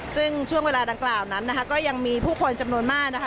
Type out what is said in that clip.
ซึ่งช่วงเวลาดังกล่าวนั้นนะคะก็ยังมีผู้คนจำนวนมากนะคะ